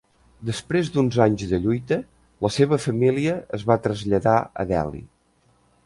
Després d'uns anys de lluita, la seva família es va traslladar a Delhi.